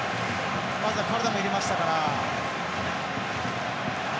まずは体も入れましたから。